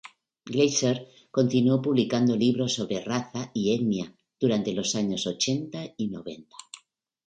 Glazer continuó publicando libros sobre raza y etnia durante los años ochenta y noventa.